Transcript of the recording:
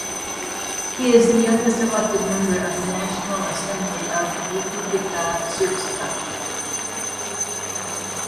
He is the youngest elected member of the National Assembly of Republika Srpska.